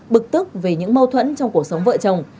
bực tức vì những mâu thuẫn trong cuộc sống vợ chàng